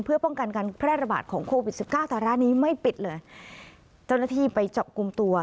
เพื่อป้องกันการแพร่ระบาดของโควิดสิบเก้าแต่ร้านนี้ไม่ปิดเลยเจ้าหน้าที่ไปจับกลุ่มตัว